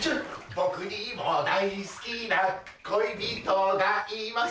僕には大好きな恋人がいます